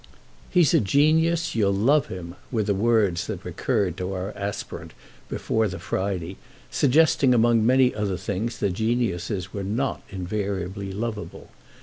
"He's a genius—you'll love him!" were words that recurred to our aspirant before the Friday, suggesting among many things that geniuses were not invariably loveable.